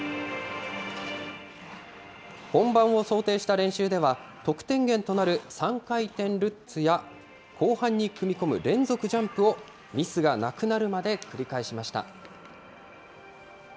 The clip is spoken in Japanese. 本番を想定した練習では、得点源となる３回転ルッツや、後半に組み込む連続ジャンプを、ミスがなくなるまで繰り返しました。